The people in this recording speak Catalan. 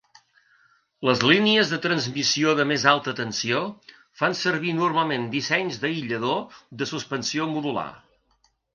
Les línies de transmissió de més alta tensió fan servir normalment dissenys d'aïllador de suspensió modular.